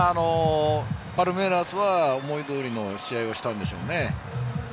パルメイラスは思い通りの試合をしたんでしょうね。